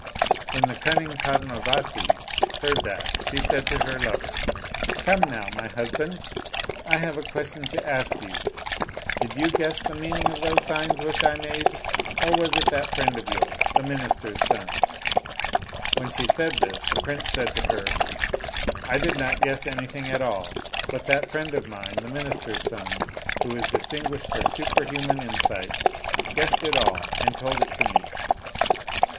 When the cunning Padmavati heard that, she said to her lover, " Come now, my husband, I have a question to ask you ; did you guess the meaning of those signs which I made, or was it that friend of yours the minister's son ?" When she said this, the prince said to her, "I did not guess anything at all, but that friend of mine, the minister's son, who is distinguished for super human insight, guessed it all, and told it to me."